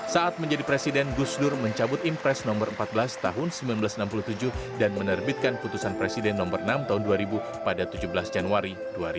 saat menjadi presiden gusdur mencabut impres nomor empat belas tahun seribu sembilan ratus enam puluh tujuh dan menerbitkan putusan presiden nomor enam tahun dua ribu pada tujuh belas januari dua ribu dua puluh